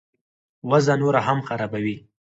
وضع نوره هم خرابوي.